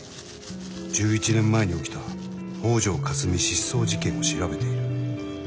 １１年前に起きた「北條かすみ失踪事件」を調べている。